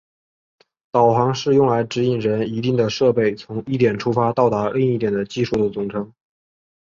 导航是用来指引人一定的设备从一点出发到达另一点的技术的总称。